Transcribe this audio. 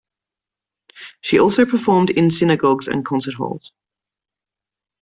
She also performed in synagogues and concert halls.